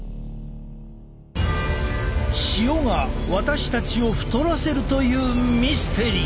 塩が私たちを太らせるというミステリー。